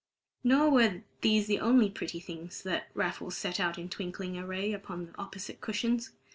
Nor were these the only pretty things that Raffles set out in twinkling array upon the opposite cushions.